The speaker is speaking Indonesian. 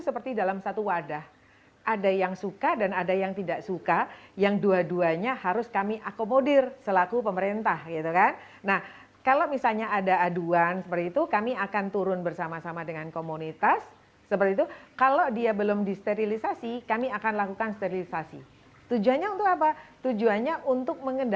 pada tahun ini eliawati memaklubi tidak semua orang menyukai kucing